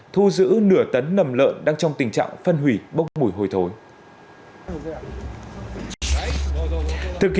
thu giữ nửa tấn nầm lợn đang trong tình trạng phân hủy bốc mùi hôi thối